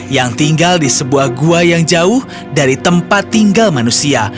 yang tinggal di sebuah gua yang jauh dari tempat tinggal manusia